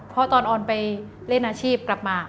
เพราะตอนออนไปเล่นอาชีพกลับมา